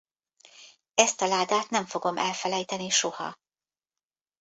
Ezt a ládát nem fogom elfelejteni soha.